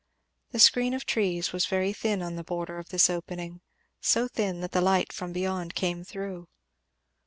The screen of trees was very thin on the border of this opening, so thin that the light from beyond came through.